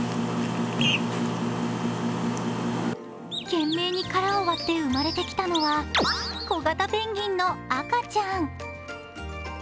懸命に殻を割って生まれたきたのは小型ペンギンの赤ちゃん。